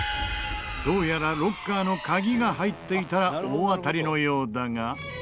どうやらロッカーの鍵が入っていたら大当たりのようだが。